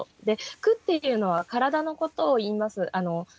で「躯」っていうのは体のことをいいます。